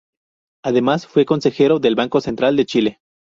Además fue consejero del Banco Central de Chile.